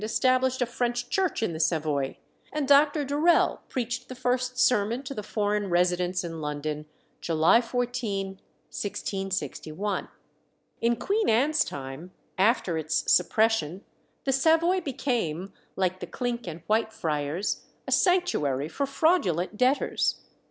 established a French church in the Savoy, and Dr. Durel preached the first sermon to the foreign residents in London, July 14, 1661. In Queen Anne's time, after its suppression, the Savoy became, like the Clink and Whitefriars, a sanctuary for fraudulent debtors.